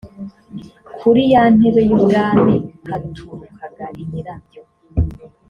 kuri ya ntebe y ubwami haturukaga imirabyo